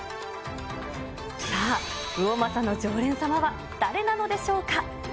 さあ、魚政の常連様は誰なのでしょうか。